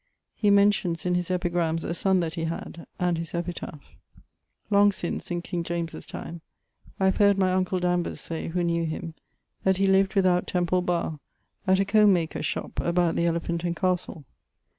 He mentions in his Epigrammes a sonne that he had, and his epitaph. Long since, in King James' time, I have heard my uncle Danvers say (who knew him), that he lived without Temple Barre, at a combe maker's shop, about the Elephant and Castle.